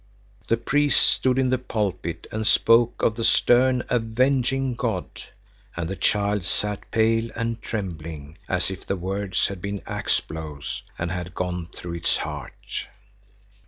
The priest stood in the pulpit and spoke of the stern, avenging God, and the child sat pale and trembling, as if the words had been axe blows and had gone through its heart.